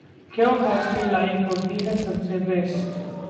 क्यों hostel life होती है सबसे बेस्ट?